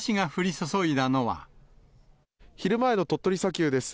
注昼前の鳥取砂丘です。